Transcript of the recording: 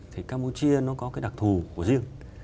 thì campuchia nó có cái đặc thù của riêng